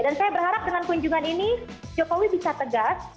dan saya berharap dengan kunjungan ini jokowi bisa tegas